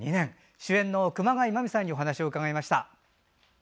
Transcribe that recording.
主演の熊谷真実さんにお話を伺いました。